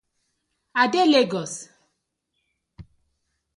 I dey Legos.